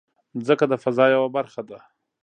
مځکه د فضا یوه برخه ده.